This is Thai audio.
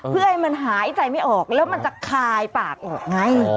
เพื่อให้มันหายใจไม่ออกแล้วมันจะคายปากออกไง